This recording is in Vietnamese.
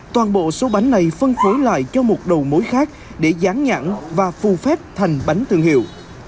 toàn bộ số bánh này phân phối lại cho một đầu mối khác để dán nhãn và phù phép thành bánh thương hiệu